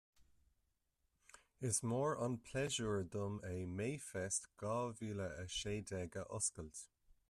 Is mór an pléisiúir dom é MayFest dhá mhíle a sé déag a oscailt